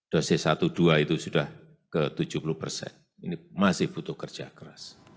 dosis satu dua itu sudah ke tujuh puluh persen ini masih butuh kerja keras